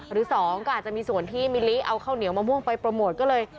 หรือสองก็อาจจะมีส่วนที่มิลลิเอาข้าวเหนียวมะม่วงไปโปรโมทก็เลย